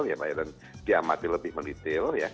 yang layak dan diamati lebih mendetail